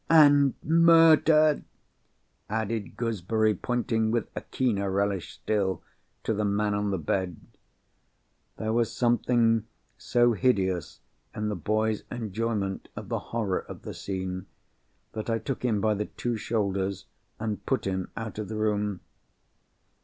"And Murder!" added Gooseberry, pointing, with a keener relish still, to the man on the bed. There was something so hideous in the boy's enjoyment of the horror of the scene, that I took him by the two shoulders and put him out of the room.